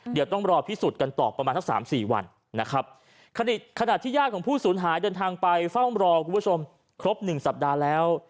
เดี๋ยวต้องรอพิสูจน์กันต่อประมาณสักสามสี่วันนะครับขณะที่ญาติของผู้สูญหายเดินทางไปเฝ้ารอคุณผู้ชมครบหนึ่งสัปดาห์แล้ว